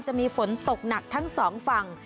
จะมีฝนตกหนักทั้งสองฝั่ง